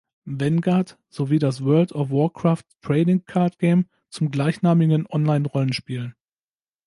Vanguard sowie das World of Warcraft Trading Card Game zum gleichnamigen Online-Rollenspiel.